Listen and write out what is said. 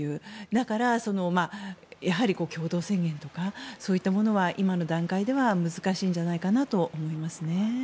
だから、共同宣言とかそういうものは今の段階では難しいんじゃないかと思います。